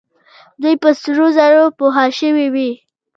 دوی په سرو زرو پوښل شوې وې